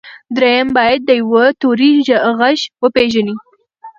درېيم بايد د يوه توري غږ وپېژنو.